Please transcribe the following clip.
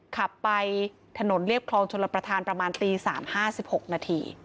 ขับไปถนนเรียบคลองชลประธานประมาณตี๓๕๖นาที